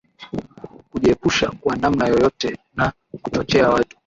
kujiepusha kwa namna yoyote na kuchochea watu